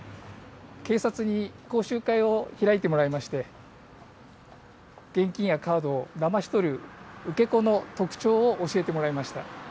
警察に講習会を開いてもらいまして現金やカードをだまし取る受け子の特徴を教えてもらいました。